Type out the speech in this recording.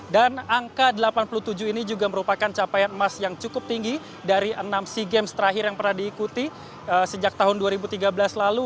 dan angka delapan puluh tujuh ini juga merupakan capaian emas yang cukup tinggi dari enam sea games terakhir yang pernah diikuti sejak tahun dua ribu tiga belas lalu